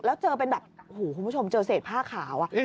แล้วเจอเป็นแบบโอ้โหคุณผู้ชมเจอเศษผ้าขาว